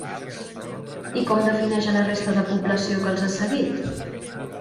I com defineix a la resta de població que els ha seguit?